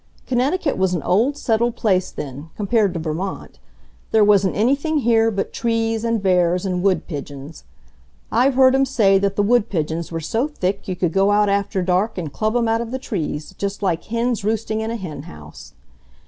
Connecticut was an old settled place then, compared to Vermont. There wasn't anything here but trees and bears and wood pigeons. I've heard 'em say that the wood pigeons were so thick you could go out after dark and club 'em out of the trees, just like hens roosting in a hen house.